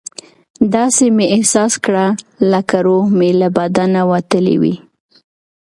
داسې مې احساس کړه لکه روح مې له بدنه وتلی وي.